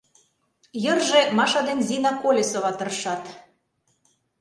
Йырже Маша ден Зина Колесова тыршат.